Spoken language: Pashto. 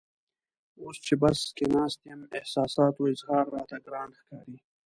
اوس چې بس کې ناست یم احساساتو اظهار راته ګران ښکاري.